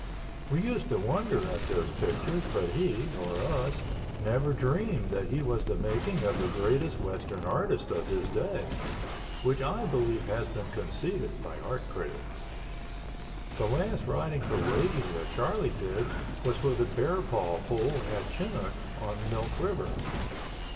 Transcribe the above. We used to wonder at those pictures but he (or us) never dreamed that he was the making of the greatest Western artist of his day, which I believe has been conceded by art critics. The last riding for wages that Charlie did was for the Bear Paw Pool at Chinook on Milk River.